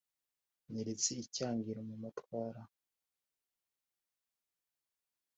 anyeretse icyangiro mu matwara